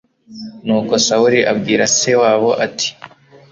nuko sawuli abwira se wabo, ati